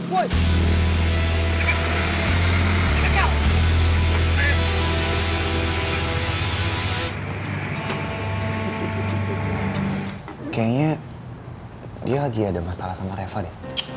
wah kayaknya dia lagi ada masalah sama reva deh